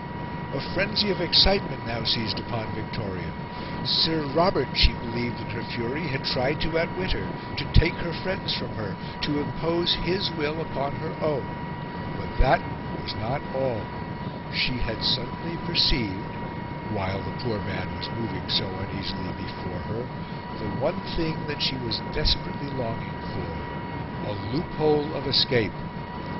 A frenzy of excitement now seized upon Victoria. Sir Robert, she believed in her fury, had tried to outwit her, to take her friends from her, to impose his will upon her own; but that was not all: she had suddenly perceived, while the poor man was moving so uneasily before her, the one thing that she was desperately longing for a loop hole of escape.